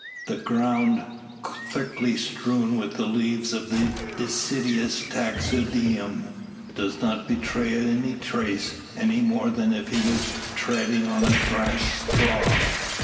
The ground, thickly strewn with the leaves of the deciduous taxodium, does not betray a trace, any more than if he were treading on thrashed straw.